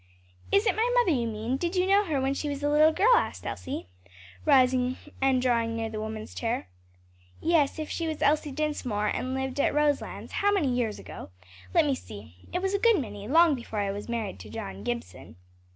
"Is it my mother you mean? did you know her when she was a little girl?" asked Elsie, rising and drawing near the woman's chair. "Yes; if she was Elsie Dinsmore, and lived at Roselands how many years ago? let me see; it was a good many; long before I was married to John Gibson."